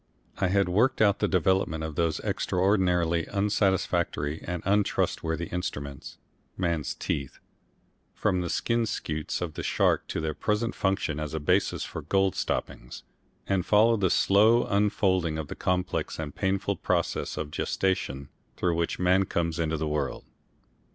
I had worked out the development of those extraordinarily unsatisfactory and untrustworthy instruments, man's teeth, from the skin scutes of the shark to their present function as a basis for gold stoppings, and followed the slow unfolding of the complex and painful process of gestation through which man comes into the world.